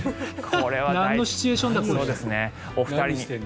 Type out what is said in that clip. なんのシチュエーションだこれは。